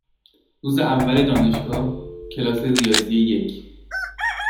روز اول دانشگاه، کلاس ریاضی یک؛